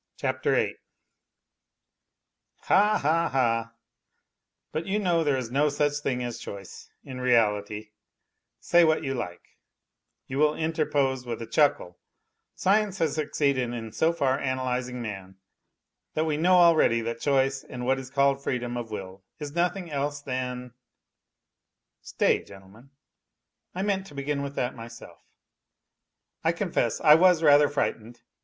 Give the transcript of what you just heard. ha! ha! But you know there is no such thing as choice in reality, say what you like," you will interpose with a chuckle " Science has succeeded in so far analysing man that we know already that choice and what is called freedom of will is nothing else than " Stay, gentlemen, I meant to begin with that myself. I confess, I was rather frightened.